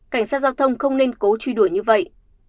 cảnh sát giao thông không nên cố truy đuổi như vậy